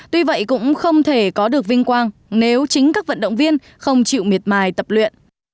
tuy vậy cũng không thể có được vinh quang nếu chính các vận động viên không chịu miệt mài tập luyện